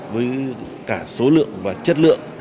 với cả số lượng và chất lượng